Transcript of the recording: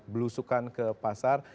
belusukan ke pasar